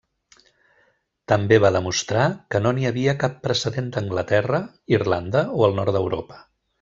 També va demostrar que no n'hi havia cap procedent d'Anglaterra, Irlanda o el nord d'Europa.